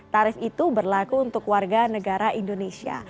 tarif itu berlaku untuk warga negara indonesia